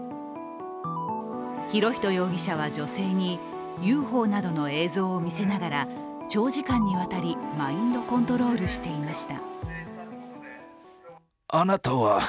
博仁容疑者は女性にＵＦＯなどの映像を見せながら長時間にわたりマインドコントロールしていました。